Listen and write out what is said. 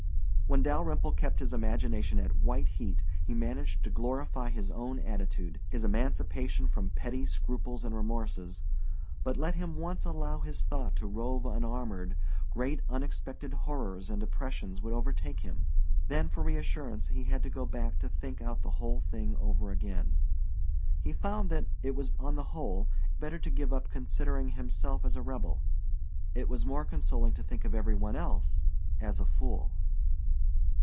When Dalyrimple kept his imagination at white heat he managed to glorify his own attitude, his emancipation from petty scruples and remorses but let him once allow his thought to rove unarmored, great unexpected horrors and depressions would overtake him. Then for reassurance he had to go back to think out the whole thing over again. He found that it was on the whole better to give up considering himself as a rebel. It was more consoling to think of every one else as a fool.